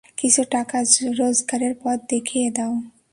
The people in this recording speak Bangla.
কিছু টাকা রোজগারের পথ দেখিয়ে দাও।